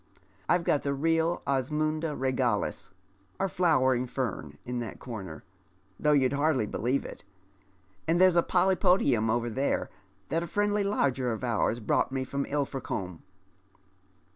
I've got t)ie real Osmunda regalis, or flowering fern, in that comer, though you'd hardly believe it ; and there's a Pohjpodium over there that a fiiendly lodger of ours brought me from Ilfracombe."